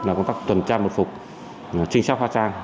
là công tác tuần tra bột phục trinh sát pha trang